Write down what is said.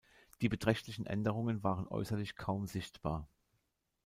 Die beträchtlichen Änderungen waren äußerlich kaum sichtbar.